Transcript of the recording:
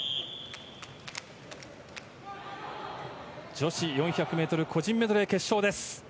女子４００ｍ個人メドレー決勝です。